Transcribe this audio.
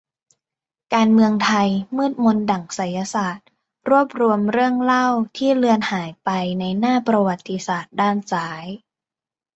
การเมืองไทยมืดมนดั่งไสยศาสตร์ รวบรวมเรื่องเล่าที่เลือนหายไปในหน้าประวัติศาสตร์ด้านซ้าย